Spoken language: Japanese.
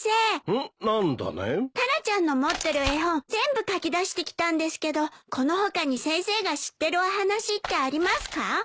タラちゃんの持ってる絵本全部書き出してきたんですけどこの他に先生が知ってるお話ってありますか？